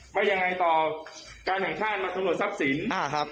ไม่ยังไงต่อการแห่งชาติมาตรวจทรัพย์ศิลป์